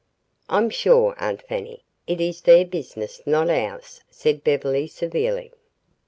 "I'm sure, Aunt Fanny, it is their business not ours," said Beverly severely.